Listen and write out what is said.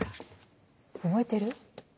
覚えてる？